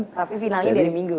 tapi finalnya dari minggu